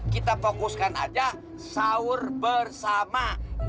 kita fokuskan aja sahur bersama